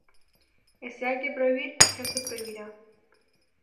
E se hai que prohibir, xa se prohibirá.